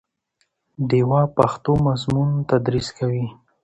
ډیوه پښتو مضمون تدریس کوي